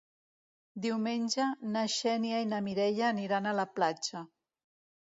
Diumenge na Xènia i na Mireia aniran a la platja.